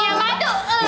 kayak punya madu